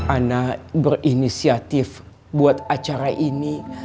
anak berinisiatif buat acara ini